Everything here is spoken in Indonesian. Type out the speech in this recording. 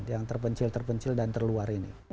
yang terpencil terpencil dan terluar ini